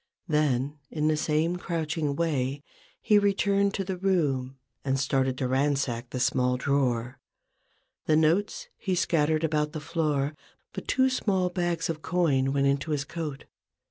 Then, in the same THE BUSINESS OF MADAME JAHN. 87 crouching way, he returned to the room, and started to ransack the small drawer. The notes he scattered about the floor j but two small bags of coin went into his coat.